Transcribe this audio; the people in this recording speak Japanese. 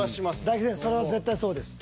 大吉先生それは絶対そうです。